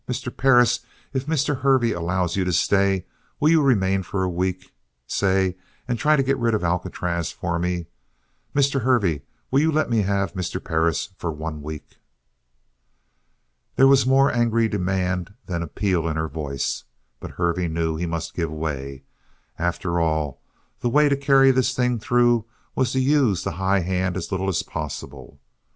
"Mr. Perris, if Mr. Hervey allows you to stay, will you remain for a week, say, and try to get rid of Alcatraz for me? Mr. Hervey, will you let me have Mr. Perris for one week?" There was more angry demand than appeal in her voice, but Hervey knew he must give way. After all, the way to carry this thing through was to use the high hand as little as possible.